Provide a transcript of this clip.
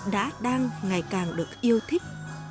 đã đang ngày càng được yêu thích